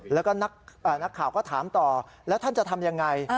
แล้วก็นักข่าวก็ถามต่อแล้วท่านจะทำยังไง